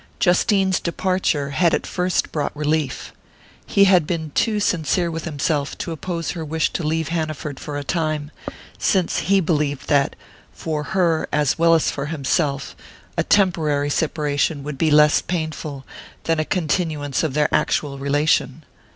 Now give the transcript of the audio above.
Justine's departure had at first brought relief. He had been too sincere with himself to oppose her wish to leave Hanaford for a time, since he believed that, for her as well as for himself, a temporary separation would be less painful than a continuance of their actual relation.